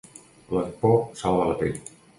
La por salva la pell.